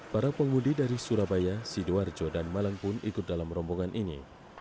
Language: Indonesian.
para pengudi dari surabaya sidoarjo dan malang pun ikut dalam rombongan ini